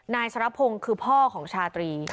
นายชะระพงคือพ่อของชาลตรี